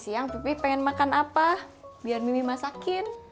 sekarang pipih pengen makan apa biar mimi masakin